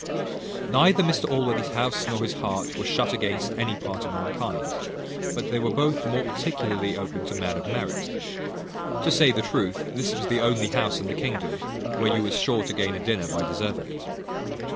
Neither Mr Allworthy's house, nor his heart, were shut against any part of mankind, but they were both more particularly open to men of merit. To say the truth, this was the only house in the kingdom where you was sure to gain a dinner by deserving it.